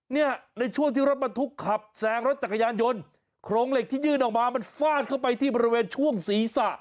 เนี่ยในช่วงที่รถบรรทุกขับแซงรถจักรยานยนต์โครงเหล็กที่ยื่นออกมามันฟาดเข้าไปที่บริเวณช่วงศีรษะ